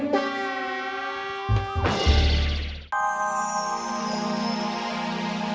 ya abisin trus